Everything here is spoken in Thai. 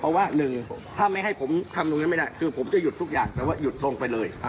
เพราะว่ามันหมาให้ผมทำเอามาดูยังไม่ได้